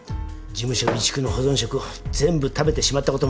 事務所備蓄の保存食を全部食べてしまったこともある。